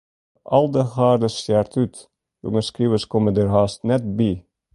De âlde garde stjert út, jonge skriuwers komme der hast net by.